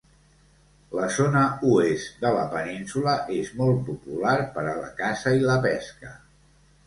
La zona oest de la península és molt popular pera a la caça i la pesca.